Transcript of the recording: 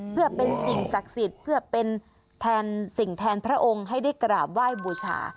เพื่อเป็นสิ่งศักดิ์สิทธิ์เพื่อเป็นแทนสิ่งแทนพระองค์ให้ได้กราบไหว้บูชา